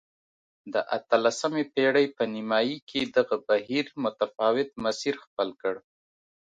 د اتلسمې پېړۍ په نیمايي کې دغه بهیر متفاوت مسیر خپل کړ.